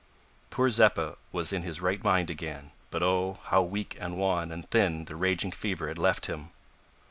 Poor Zeppa was in his right mind again, but oh! how weak and wan and thin the raging fever had left him!